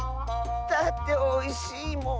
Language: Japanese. だっておいしいもん。